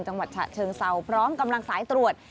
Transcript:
จังหวัดฉะเชิงเซาพร้อมกำลังสายตรวจ